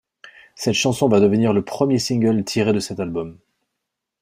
Cette chanson va devenir le premier single tiré de cet album.